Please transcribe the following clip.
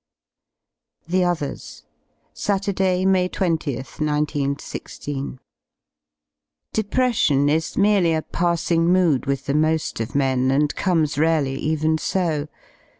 THE OTHERS Saturday, May 20th, 19 1 6. Depression is merely apassing mood with the mo^ of men, and comes rarely even so.